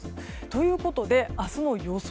ということで、明日の予想